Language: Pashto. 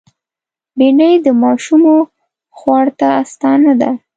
بېنډۍ د ماشومو خوړ ته آسانه ده